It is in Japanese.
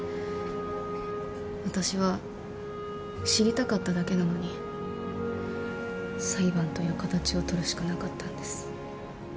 私は知りたかっただけなのに裁判という形を取るしかなかったんです。